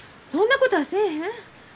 そんなことはせえへん。